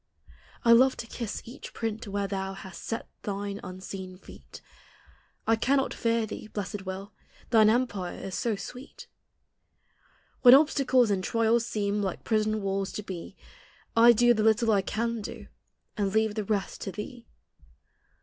I love to kiss each print where thou Hast set thine unseen feet; I cannot fear thee, blessed will ! Thine empire is so sweet. THE hl\ l\ i: ELEMENT. 37 When obstacles and li inls seem Like prison walls to be, I <ln the lii tie I can do, And leave the resl to thee.